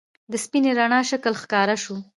د سپینې رڼا شکل ښکاره شو.